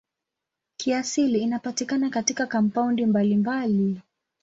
Kiasili inapatikana katika kampaundi mbalimbali.